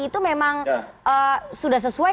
itu memang sudah sesuai